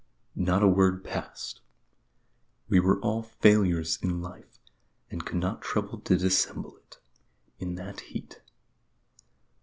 Not a word passed. We were all failures in life, and could not trouble to dissemble it, in that heat.